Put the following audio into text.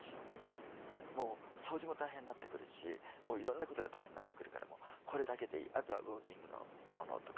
掃除も大変になってくるしいろんなことが大変になってくるからこれだけでいいあとはウォーキングのものとか。